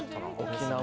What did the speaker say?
沖縄。